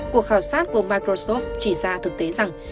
cuộc khảo sát của microsoft chỉ ra thực tế rằng